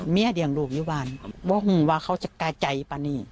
เมียเดียงลูกอยู่บ้านเพราะว่าเขาจะกระใจปันนี้